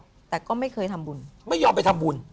จะให้กูออก